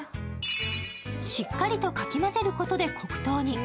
しっかりとかき混ぜることで黒糖に。